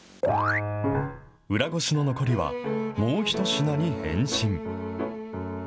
裏ごしの残りは、もう一品に変身。